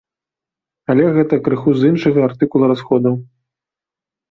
Але гэта крыху з іншага артыкула расходаў.